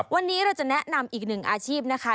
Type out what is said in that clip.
วันนี้เราจะแนะนำอีกหนึ่งอาชีพนะคะ